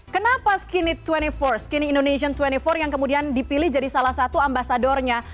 kenapa skinny dua puluh empat skinny indonesian dua puluh empat yang kemudian dipilih jadi salah satu ambasadornya